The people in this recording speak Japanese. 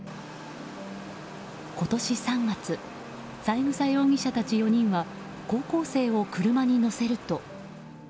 今年３月、三枝容疑者たち４人は高校生を車に乗せると。